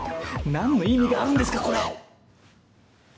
何の意味があるんですかこれ！